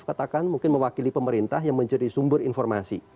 katakan mungkin mewakili pemerintah yang menjadi sumber informasi